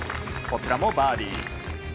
こちらもバーディー。